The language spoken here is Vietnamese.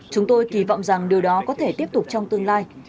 chúng tôi kỳ vọng rằng điều đó có thể tiếp tục trong tương lai